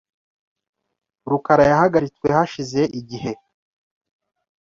rukara yahagaritswe hashize igihe .